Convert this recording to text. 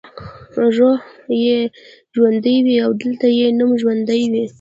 روح یې ژوندی وي او دلته یې نوم ژوندی وي.